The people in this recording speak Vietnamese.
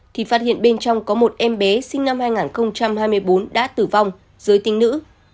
thì phát hiện bên trong có một em bé sinh năm hai nghìn hai mươi bốn đã tử vong dưới tinh nữ